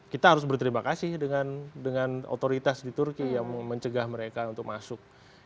kita harus berterima kasih dengan otoritas di turki yang mencegah mereka untuk masuk